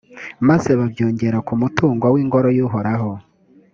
maze babyongera ku mutungo w’ingoro y’uhoraho.